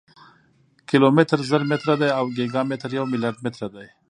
کیلومتر زر متره دی او ګیګا متر یو ملیارډ متره دی.